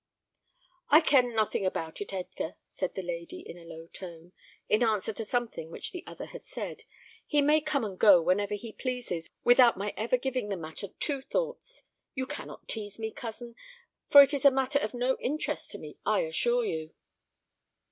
"I care nothing about it, Edgar," said the lady, in a low tone, in answer to something which the other had said; "he may come and go whenever he pleases, without my ever giving the matter two thoughts. You cannot tease me, cousin, for it is a matter of no interest to me, I can assure you."